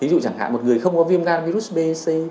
ví dụ chẳng hạn một người không có viêm gan virus b c